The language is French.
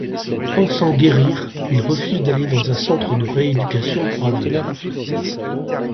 Pensant guérir, il refuse d'aller dans un centre de rééducation pour aveugles.